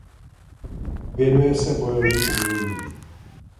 Věnuje se bojovým uměním.